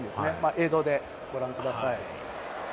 映像でご覧ください。